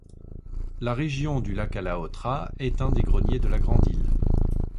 La région du lac Alaotra est un des greniers de la grande île.